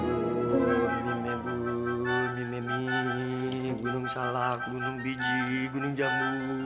dusun begitu gini kurang ngulam